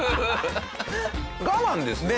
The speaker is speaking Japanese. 我慢ですよね？